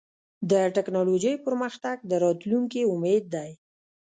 د ټکنالوجۍ پرمختګ د راتلونکي امید دی.